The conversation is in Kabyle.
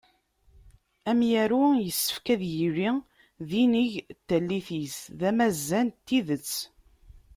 Amyaru yessefk ad yili d inigi n tallit-is, d amazan n tidet.